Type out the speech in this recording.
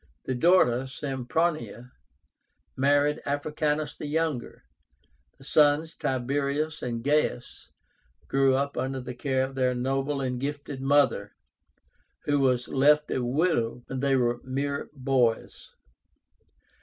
The daughter, SEMPRONIA, married Africánus the younger. The sons, TIBERIUS and GAIUS, grew up under the care of their noble and gifted mother, who was left a widow when they were mere boys.